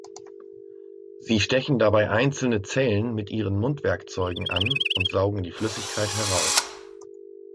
Sie stechen dabei einzelne Zellen mit ihren Mundwerkzeugen an und saugen die Flüssigkeit heraus.